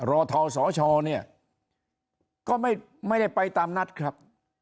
รอทสชเนี่ยก็ไม่ได้ไปตามนัดครับ